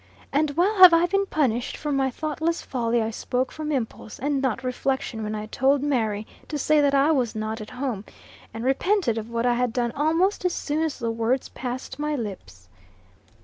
And well have I been punished for my thoughtless folly I spoke from impulse, and not reflection, when I told Mary to say that I was not at home, and repented of what I had done almost as soon as the words passed my lips."